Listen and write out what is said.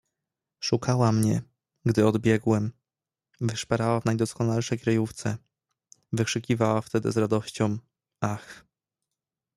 "Szukała mnie, gdy odbiegłem, wyszperała w najdoskonalszej kryjówce, wykrzykiwała wtedy z radością: „Ach!"